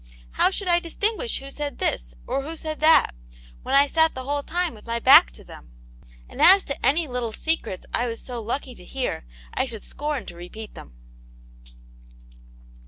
How should I distinguish who said this, or who said that, when t sat the whole time with my back to them ? And as to any little secrets I was so lucky as to hear, I should scorn to repeat them.